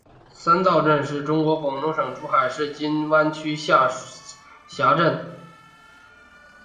三灶镇是中国广东省珠海市金湾区下辖镇。